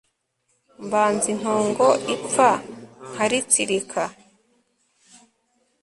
Mbanza intongo ipfa nkaritsirika